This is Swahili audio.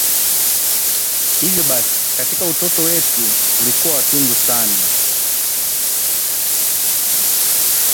Hivyo basi, katika utoto wetu tulikuwa watundu sana